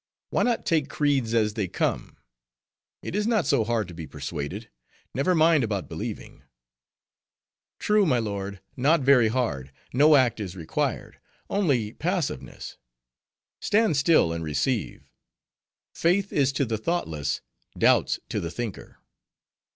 Why not take creeds as they come? It is not so hard to be persuaded; never mind about believing." "True, my lord; not very hard; no act is required; only passiveness. Stand still and receive. Faith is to the thoughtless, doubts to the thinker."